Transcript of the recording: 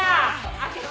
開けて！